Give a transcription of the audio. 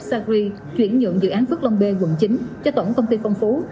sacri chuyển nhượng dự án phước long bê quận chín cho tổng công ty phong phú